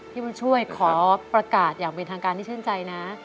บุญช่วยขอประกาศอย่างเป็นทางการที่ชื่นใจนะ